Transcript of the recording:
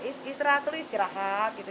istirahat dulu istirahat gitu